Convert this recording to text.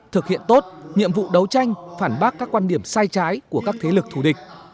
thực hiện tốt nhiệm vụ đấu tranh phản bác các quan điểm sai trái của các thế lực thù địch